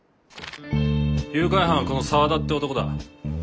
誘拐犯はこの沢田って男だ。